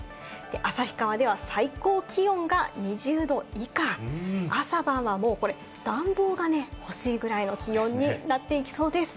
旭川では最高気温が２０度以下、朝晩はもう、暖房がねほしいぐらいの気温になっていきそうです。